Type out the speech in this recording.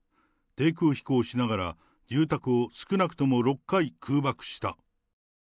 低空飛行しながら、住宅を少なくとも６回空爆した。